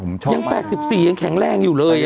ยังแปดสิบสี่ยังแข็งแรงอยู่เลย